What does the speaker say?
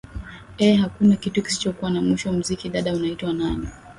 ee hakuna kitu kisichokuwa na mwisho muziki dada unaitwa nani